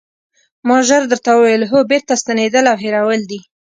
ما ژر درته وویل: هو بېرته ستنېدل او هېرول دي.